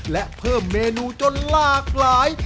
และเพิ่มเมนูจนหลากหลาย